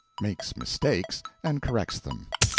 (Makes mistakes and corrects them.)